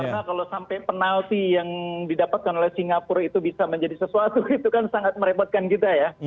karena kalau sampai penalti yang didapatkan oleh singapura itu bisa menjadi sesuatu itu kan sangat merepotkan kita ya